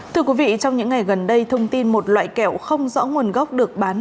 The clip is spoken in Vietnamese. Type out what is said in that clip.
thưa quý vị trong những ngày gần đây thông tin một loại kẹo không rõ nguồn gốc được bán